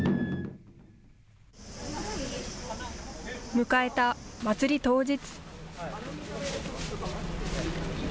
迎えたまつり当日。